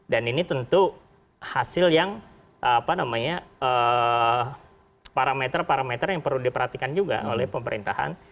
dan ini tentu hasil yang parameter parameter yang perlu diperhatikan juga oleh pemerintahan